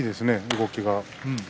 動きが。